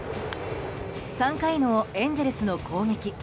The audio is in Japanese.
３回のエンゼルスの攻撃。